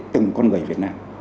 từng con người việt nam